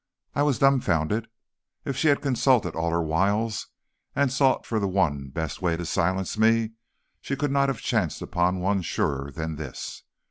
"I was dumfounded. If she had consulted all her wiles, and sought for the one best way to silence me, she could not have chanced on one surer than this.